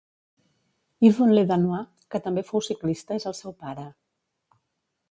Yvon Ledanois, que també fou ciclista és el seu pare.